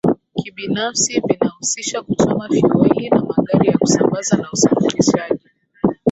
kibinafsi vinahusisha kuchoma fueli na magari ya kusambaza na usafirishaji